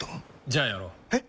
じゃあやろう。え？